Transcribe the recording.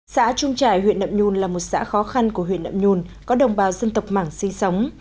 xã trung trải huyện nậm nhun là một xã khó khăn của huyện nậm nhun có đồng bào dân tộc mảng sinh sống